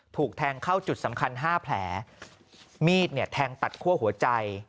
ถูกแทงเข้าจุดสำคัญห้าแผลมีดเนี่ยแทงตัดคั่วหัวใจ